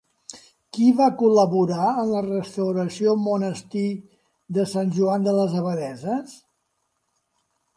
Qui va col·laborar en la restauració monestir de Sant Joan de les Abadesses?